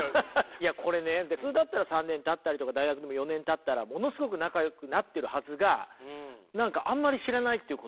いやこれね普通だったら３年たったりとか大学でも４年たったらものすごく仲よくなってるはずが何かあんまり知らないっていうことがね。